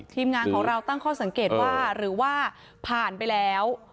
ทีมงานของเราตั้งข้อสังเกตว่าหรือว่าผ่านไปแล้ว